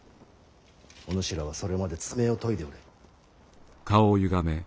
お主らはそれまで爪を研いでおれ。